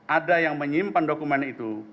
ada yang menyimpan dokumen itu